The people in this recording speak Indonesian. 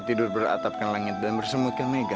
tidur beratapkan langit dan bersemutkan mega